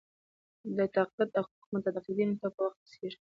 د تقاعد حقوق متقاعدینو ته په وخت رسیږي.